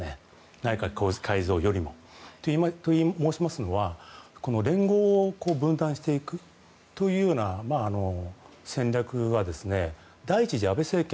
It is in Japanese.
内閣改造よりも。と申しますのは連合を分断していくというような戦略は第１次安倍政権